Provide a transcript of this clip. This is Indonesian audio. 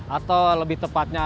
atau lebih tepatnya